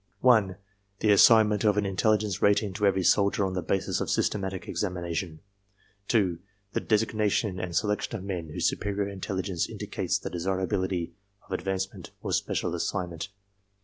1. The assignment of an intelligence rating to every soldier on the basis of systematic examination. 2. The designation and selection of men whose superior in telligence indicates the desirability of advancement or special assignment.